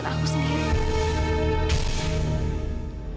selain aku sendiri